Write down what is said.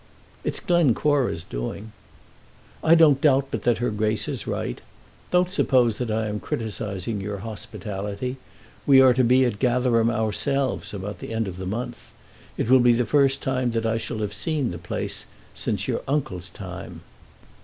"It's Glencora's doing." "I don't doubt but that her Grace is right. Don't suppose that I am criticizing your hospitality. We are to be at Gatherum ourselves about the end of the month. It will be the first time I shall have seen the place since your uncle's time."